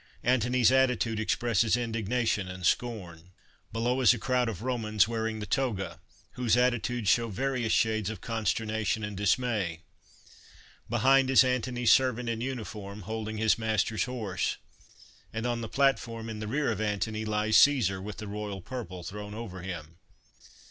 Antony's attitude expresses indig nation and scorn. Below, is a crowd of Romans wearing the toga, whose attitudes show various shades of consternation and dismay. Behind, is Antony's servant in uniform, holding his master's horse ; and on the platform, in the rear of Antony, lies Caesar, with the royal purple thrown over him.